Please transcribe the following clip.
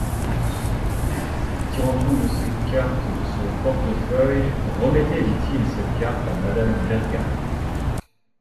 Tirant une de ses cartes de son portefeuille : Remettez, dit-il, cette carte à Madame Bergam.